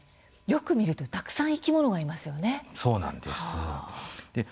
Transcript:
よく見るとたくさん生き物がいますよねそうなんです。